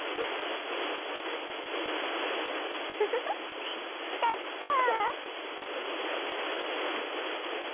フフフ来た来た。